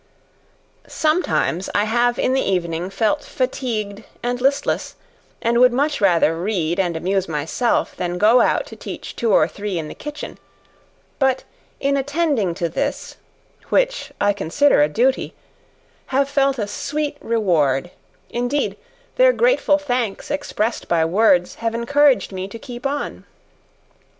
Sometimes, I have in the evening felt fatigued and listless, and would much rather read, and amuse myself, than go out to teach two or three in the kitchen; but in attending to this, (which I consider a duty,) have felt a sweet reward indeed, their grateful thanks expressed by words, have encouraged me to keep on.